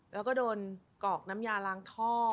แล้วก็โดนกรอกน้ำยาล้างท่อ